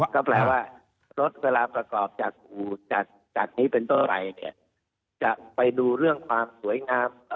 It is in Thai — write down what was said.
ก็แปลว่านรถเวลาประกองจากจากนี้เต้าจะไปดูเรื่องความสวยงาม